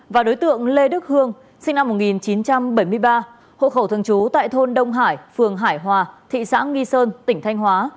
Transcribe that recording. và đối tượng lê đức hương sinh năm một nghìn chín trăm bảy mươi ba hộ khẩu thường trú tại thôn đông hải phường hải hòa thị xã nghi sơn tỉnh thanh hóa